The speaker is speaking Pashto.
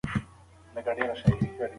تاسي باید د سګرټو له لوګي ځان وساتئ.